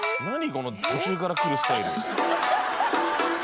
この途中から来るスタイル。